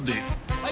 はい。